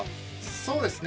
そうですね。